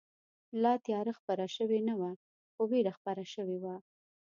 لا تیاره خپره شوې نه وه، خو وېره خپره شوې وه.